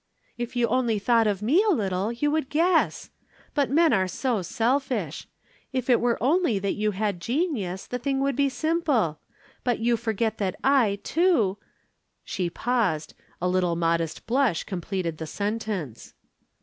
"If you only thought of me a little you would guess. But men are so selfish. If it were only you that had genius the thing would be simple. But you forget that I, too " She paused; a little modest blush completed the sentence.